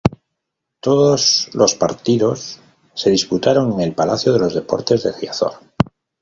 Todos los partidos se disputaron en el Palacio de los Deportes de Riazor.